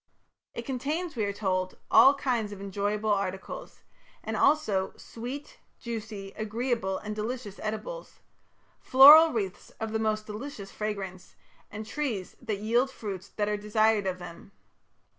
It contains, we are told, "all kinds of enjoyable articles", and also "sweet, juicy, agreeable and delicious edibles ... floral wreaths of the most delicious fragrance, and trees that yield fruits that are desired of them".